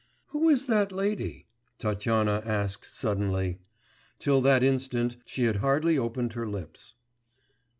'Who is that lady?' Tatyana asked suddenly. Till that instant she had hardly opened her lips.